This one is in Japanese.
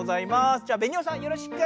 じゃあベニオさんよろしく。